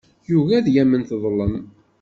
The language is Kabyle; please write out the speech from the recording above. Yugi ad yamen teḍlem.